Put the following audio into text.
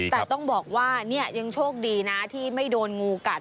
แต่ต้องบอกว่าเนี่ยยังโชคดีนะที่ไม่โดนงูกัด